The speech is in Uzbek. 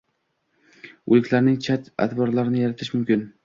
Oʻliklarning chat-avatarlarini yaratish mumkin